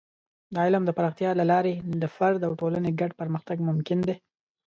د علم د پراختیا له لارې د فرد او ټولنې ګډ پرمختګ ممکن دی.